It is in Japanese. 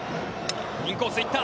インコースいった。